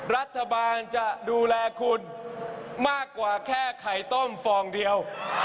รัฐบาลจะดูแลคุณมากกว่าแค่ไข่ต้มฟองเดียว